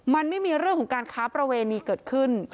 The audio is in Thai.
มันไม่มีเรื่องของการค้าประเวณีเกิดขึ้น